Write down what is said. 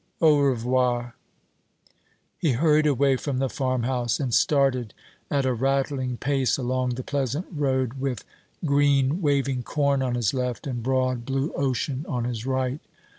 Au revoir!" He hurried away from the farmhouse, and started at a rattling pace along the pleasant road, with green waving corn on his left, and broad blue ocean on his right.